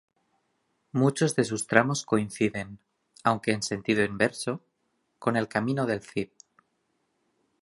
Muchos de sus tramos coinciden, aunque en sentido inverso, con el Camino del Cid.